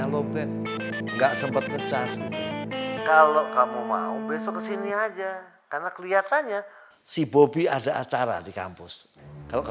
kok bercet siapa yang mencet ya